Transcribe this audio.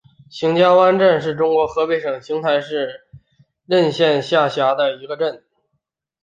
邢家湾镇是中国河北省邢台市任县下辖的一个镇。